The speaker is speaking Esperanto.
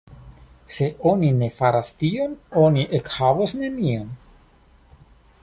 Se oni ne faras tion, oni ekhavos nenion.